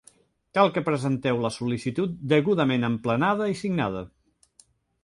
Cal que presenteu la sol·licitud degudament emplenada i signada.